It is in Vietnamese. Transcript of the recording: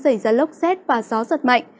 xảy ra lốc xét và gió giật mạnh